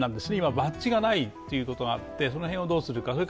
バッジがないということがって、その辺をどうするか。